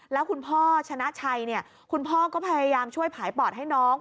แล้วคุณพ่อชนะชัยคุณพ่อก็พยายามช่วยผายปอดให้น้อง